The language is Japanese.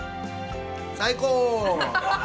最高！